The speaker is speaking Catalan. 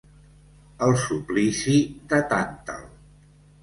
El suplici de Tàntal.